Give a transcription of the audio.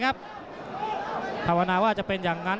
ภาวนาว่าจะเป็นอย่างนั้น